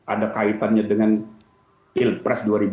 ada kaitannya dengan pilpres dua ribu empat